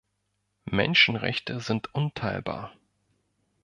Menschenrechte sind unteilbar.